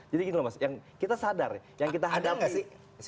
jadi gini loh mas yang kita sadar yang kita hadapi